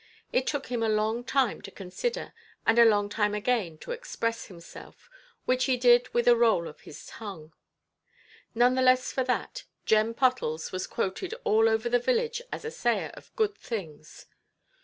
It took him a long time to consider, and a long time again to express himself, which he did with a roll of his tongue. None the less for that, Jem Pottles was quoted all over the village as a sayer of good things.